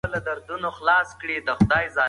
تاسې خپله هڅه وکړئ.